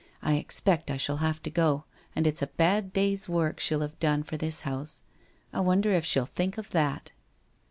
I expect I shall have to go, and it's a bad day's work she'll have done for this house. I wonder if she'll think of that